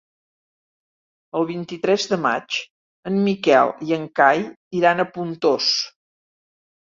El vint-i-tres de maig en Miquel i en Cai iran a Pontós.